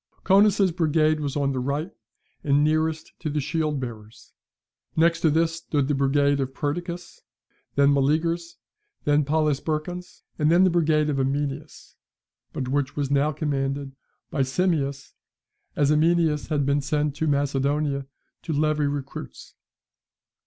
Coenus's brigade was on the right, and nearest to the shield bearers; next to this stood the brigade of Perdiccas, then Meleager's, then Polysperchon's; and then the brigade of Amynias, but which was now commanded by Simmias, as Amynias had been sent to Macedonia to levy recruits.